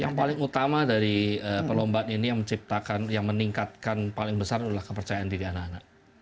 yang paling utama dari perlombaan ini yang menciptakan yang meningkatkan paling besar adalah kepercayaan diri anak anak